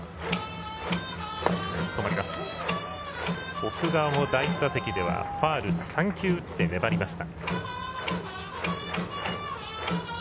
奥川も第１打席ではファウル３球打って粘りました。